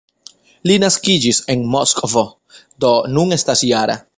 Li naskiĝis en Moskvo, do nun estas -jara.